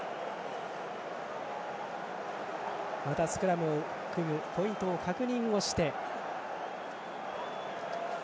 またスクラムを組むポイントを確認して。